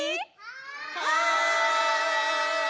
はい！